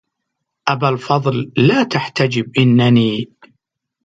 أبا الفضل لا تحتجب إنني